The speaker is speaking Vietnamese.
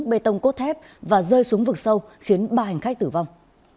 bê tông cốt thép và rơi xuống vực sâu khiến ba hành khách tử vong